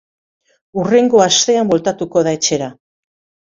Hurrengo astean bueltatuko da etxera.